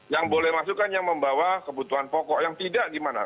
yang boleh masuk kan yang membawa kebutuhan pokok yang tidak gimana